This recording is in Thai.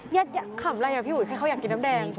นี่ขำอะไรอ่ะพี่หุ้ยเขาอยากกินน้ำแดง